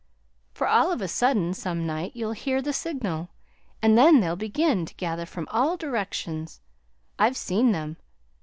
For, all of a sudden, some night, you'll hear the signal, and then they'll begin to gather from all directions. I've seen them.